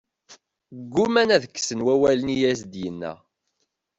Ggumaan ad kksen wawalen i as-d-yenna.